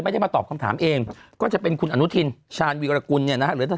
ไม่ได้มาตอบคำถามเองก็จะเป็นคุณอนุทินชาญวีรกุลเนี่ยนะฮะหรือถ้า